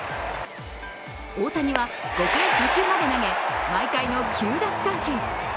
大谷は５回途中まで投げ毎回の９奪三振。